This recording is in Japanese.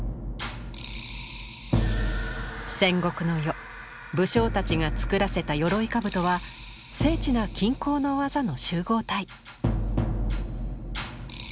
戦国の世武将たちが作らせた鎧兜は精緻な金工の技の集合体。